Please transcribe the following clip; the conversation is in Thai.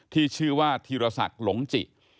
ที่ชื่อว่าธีรศักดิ์หลงจิ